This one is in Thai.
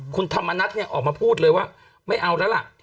คุณธรรมนัฐเนี่ยออกมาพูดเลยว่าไม่เอาแล้วล่ะ